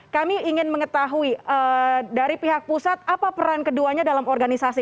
kami ingin mengetahui dari pihak pusat apa peran keduanya dalam organisasi